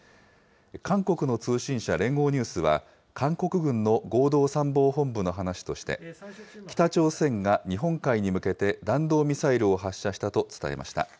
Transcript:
韓国の通信社、連合ニュースは、韓国軍の合同参謀本部の話として、北朝鮮が日本海に向けて弾道ミサイルを発射したと伝えました。